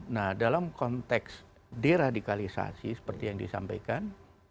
nah dalam konteks deradikalisasi seperti yang disampaikan